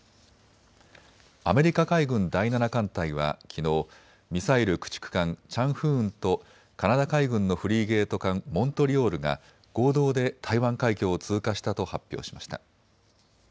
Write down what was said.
アメリカ海軍第７艦隊はきのうミサイル駆逐艦、チャンフーンとカナダ海軍のフリゲート艦、モントリオールが合同で台湾海峡を通過したと発表しました。